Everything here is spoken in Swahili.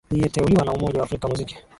liyeteuliwa na umoja wa afrika muziki